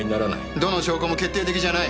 どの証拠も決定的じゃない。